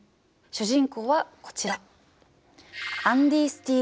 主人公はこちら。